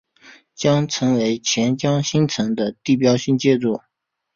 将成为钱江新城的地标性建筑。